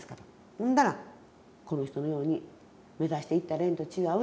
ほんだらこの人のように目指していったらええんと違う？